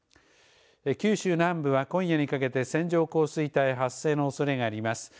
九州南部は今夜にかけて線状降水帯発生のおそれがあります。